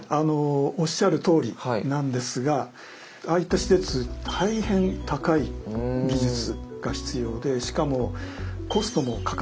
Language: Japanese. おっしゃるとおりなんですがああいった施設大変高い技術が必要でしかもコストもかかるんですね。